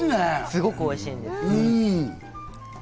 すごくおいしいです。